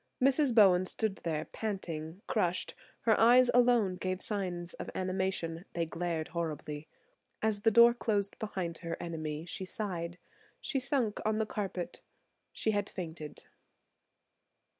Mrs. Bowen stood there panting, crushed; her eyes alone gave signs of animation; they glared horribly. As the door closed behind her enemy she sighed; she sunk on the carpet. She had fainted.